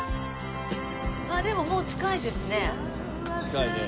あっでももう近いですね。